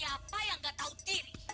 tante yang gak tau diri